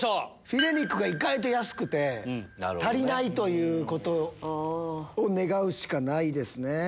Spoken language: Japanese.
フィレ肉が意外と安くて足りないということを願うしかないですね。